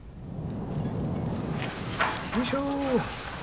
よいしょ。